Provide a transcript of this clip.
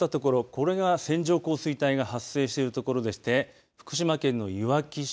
これが線状降水帯が発生している所でして福島県のいわき市